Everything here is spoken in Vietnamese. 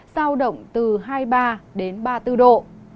giao động từ hai mươi ba đến ba mươi bốn độ